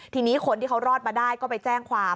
ทีนี้คนที่เขารอดมาได้ก็ไปแจ้งความ